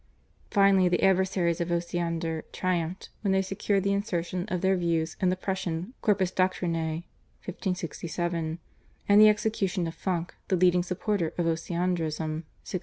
Finally the adversaries of Osiander triumphed, when they secured the insertion of their views in the Prussian /Corpus Doctrinae/ (1567) and the execution of Funk the leading supporter of Osiandrism (1601).